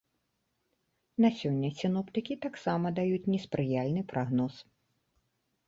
На сёння сіноптыкі таксама даюць неспрыяльны прагноз.